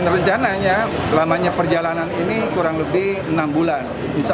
rencananya lamanya perjalanan ini kurang lebih enam bulan